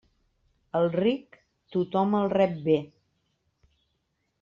Al ric, tothom el rep bé.